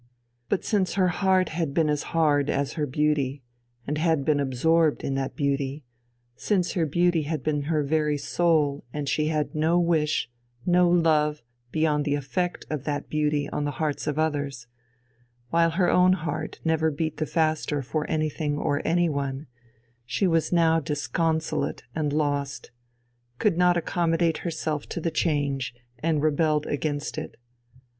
But since her heart had been hard as her beauty, and had been absorbed in that beauty, since her beauty had been her very soul and she had had no wish, no love, beyond the effect of that beauty on the hearts of others, while her own heart never beat the faster for anything or anyone, she was now disconsolate and lost, could not accommodate herself to the change and rebelled against it.